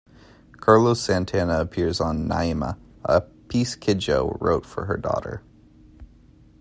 Carlos Santana appears on "Naima", a piece Kidjo wrote for her daughter.